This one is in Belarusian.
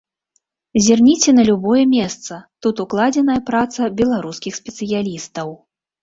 Зірніце на любое месца, тут укладзеная праца беларускіх спецыялістаў.